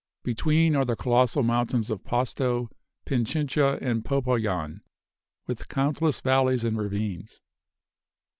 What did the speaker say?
Between are the colossal mountains of Pasto, Pichincha and Popayan, with countless valleys and ravines.